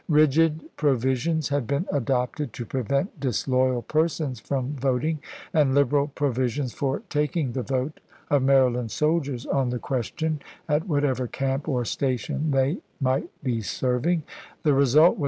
Eigid provisions had been adopted to prevent disloyal persons from voting, and liberal provisions for taking the vote of Maryland soldiers on the ques tion at whatever camp or station they might be 468 ABKAHAM LINCOLN CHAP.